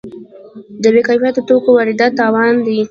د بې کیفیت توکو واردات تاوان دی.